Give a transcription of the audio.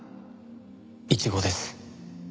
イチゴです。